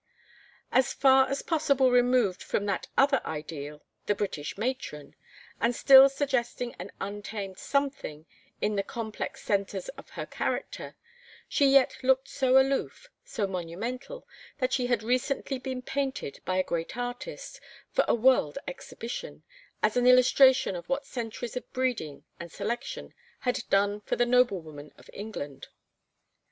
As far as possible removed from that other ideal, the British Matron, and still suggesting an untamed something in the complex centres of her character, she yet looked so aloof, so monumental, that she had recently been painted by a great artist for a world exhibition, as an illustration of what centuries of breeding and selection had done for the noblewomen of England.